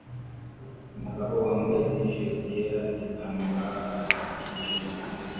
Umugabo wambaye T-shati yera nigitambara cyijimye